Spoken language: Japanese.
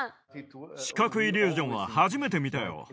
視覚イリュージョンは初めて見たよ。